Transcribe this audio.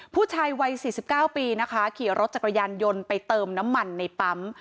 ผู้ชายวัย๔๙ปีนะคะขี่รถจักรยานยนต์ไปเติมน้ำมันในปั๊ม